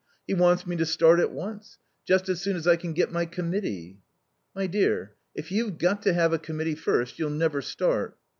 He wants me to start at once. Just as soon as I can get my Committee." "My dear, if you've got to have a Committee first you'll never start."